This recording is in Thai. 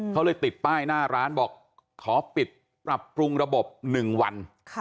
เขาเลยติดป้ายหน้าร้านบอกขอปิดปรับปรุงระบบ๑วัน